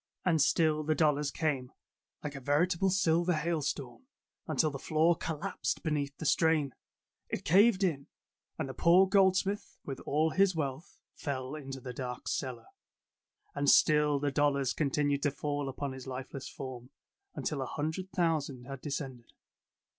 And still the dollars came, like a veritable silver hail storm, until the floor collapsed beneath the strain. It caved in, and the poor goldsmith with all his wealth fell into the dark cellar. And still the dollars continued to fall upon his lifeless form, until a hundred thousand had de scended.